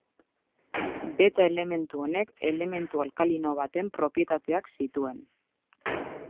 Beta elementu honek elementu alkalino baten propietateak zituen.